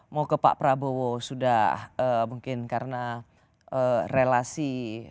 mau ke pak prabowo sudah mungkin karena relasi